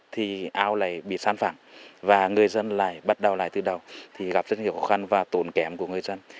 thì ao lại bị sán phẳng và người dân lại bắt đầu lại từ đầu thì gặp rất nhiều khó khăn và tốn kém của người dân